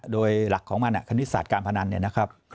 โดยหลักของมันคณิตศาสตร์การพนันเนี่ยนะครับ